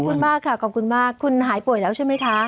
ขอบคุณมากค่ะขอบคุณมากคุณหายป่วยแล้วใช่ไหมคะ